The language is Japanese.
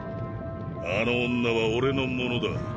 あの女は俺のものだ。